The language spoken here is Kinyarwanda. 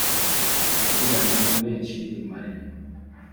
yagiranye na benshi rimare